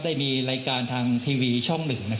ได้มีรายการทางทีวีช่อง๑